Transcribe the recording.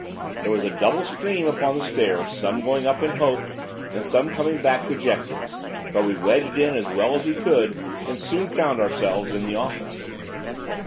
There was a double stream upon the stair, some going up in hope, and some coming back dejected; but we wedged in as well as we could and soon found ourselves in the office."